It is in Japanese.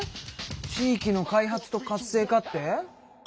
地域の開発と活性化って？